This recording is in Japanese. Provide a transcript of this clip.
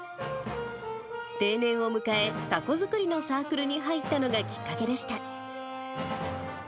定年を迎え、たこ作りのサークルに入ったのがきっかけでした。